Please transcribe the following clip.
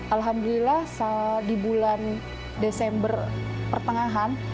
alhamdulillah di bulan desember pertengahan